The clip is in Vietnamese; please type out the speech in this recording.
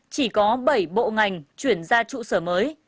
chỉ có bảy bộ ngành chuyển ra trụ sở mới